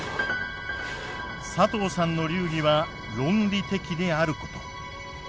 佐藤さんの流儀は論理的であること。